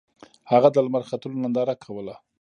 هغه د لمر ختلو ننداره کوله.